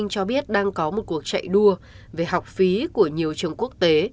cho biết đang có một cuộc chạy đua về học phí của nhiều trường quốc tế